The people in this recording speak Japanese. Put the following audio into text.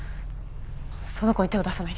その子に手を出さないで。